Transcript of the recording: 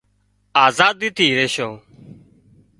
آزادي ٿي ريشان